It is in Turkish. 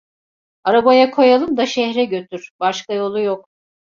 Arabaya koyalım da şehire götür. Başka yolu yok…